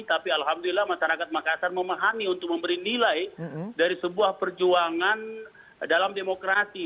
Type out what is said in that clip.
tapi alhamdulillah masyarakat makassar memahami untuk memberi nilai dari sebuah perjuangan dalam demokrasi